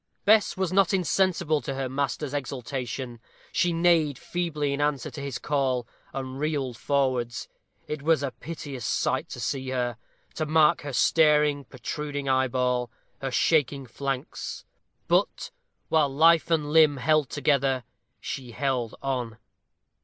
Bess was not insensible to her master's exultation. She neighed feebly in answer to his call, and reeled forwards. It was a piteous sight to see her, to mark her staring, protruding eyeball, her shaking flanks; but, while life and limb held together, she held on.